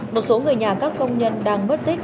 một số người nhà các công nhân đang mất tích